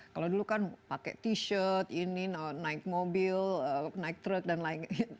kalau dulu kan pakai t shirt ini naik mobil naik truk dan lain lain